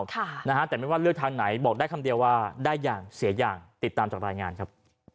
แต่ไม่ว่าเลือกทางไหนบอกได้คำเดียวว่าได้อย่างเสียอย่างติดตามจากรายงานครับ